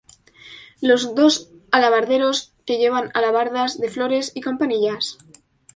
Los "dos Alabarderos" que llevan alabardas de flores y campanillas.